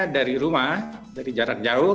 dari rumah dari jarak jauh